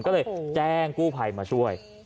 ก็เลยแจ้งกู้ภัยมาช่วย